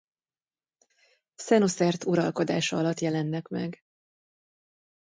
Szenuszert uralkodása alatt jelennek meg.